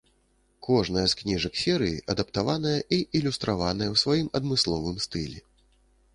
Кожная з кніжак серыі адаптаваная і ілюстраваная ў сваім адмысловым стылі.